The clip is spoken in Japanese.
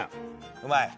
うまい？